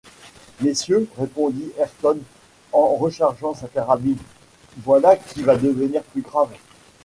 Messieurs, répondit Ayrton en rechargeant sa carabine, voilà qui va devenir plus grave